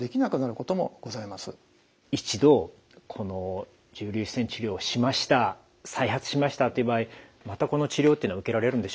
一度この重粒子線治療をしました再発しましたっていう場合またこの治療っていうのは受けられるんでしょうか？